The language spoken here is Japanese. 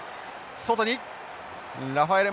外にラファエレ。